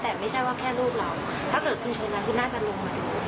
แต่ไม่ใช่ว่าแค่ลูกเราถ้าเกิดคุณชนแล้วคุณน่าจะลงมาดู